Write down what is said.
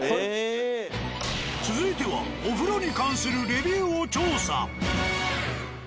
続いてはお風呂に関するレビューを調査。